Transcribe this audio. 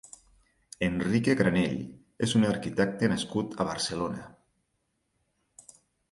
Ernique Granell és un arquitecte nascut a Barcelona.